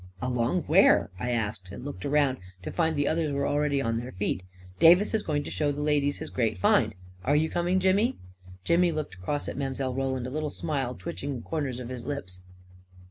" Along where? " I asked, and looked around to find that the others were already on their feet. " Davis is going to show the ladies his great find. Are you coming, Jimmy? " Jimmy looked across at Mile. Roland, a little smile twitching the corners of his lips.